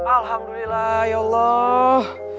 alhamdulillah ya allah